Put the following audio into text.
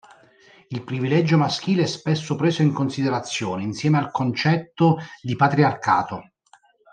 Il privilegio maschile è spesso preso in considerazione insieme al concetto di patriarcato.